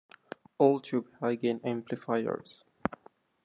All-tube high gain amplifiers.